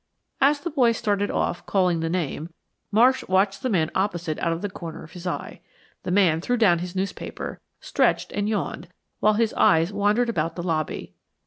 As the boy started off, calling the name, Marsh watched the man opposite out of the corner of his eye. The man threw down his newspaper, stretched and yawned, while his eyes wandered about the lobby.